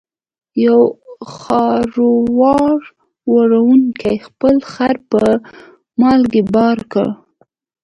یو خروار وړونکي خپل خر په مالګې بار کړ.